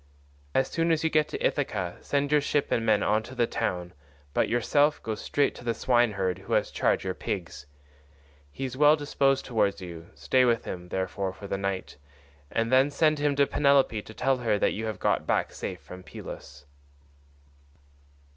As soon as you get to Ithaca send your ship and men on to the town, but yourself go straight to the swineherd who has charge of your pigs; he is well disposed towards you, stay with him, therefore, for the night, and then send him to Penelope to tell her that you have got back safe from Pylos."